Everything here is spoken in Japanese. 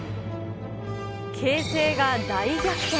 形勢が大逆転。